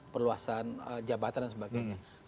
perluasan jabatan dan sebagainya